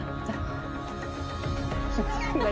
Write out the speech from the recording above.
何？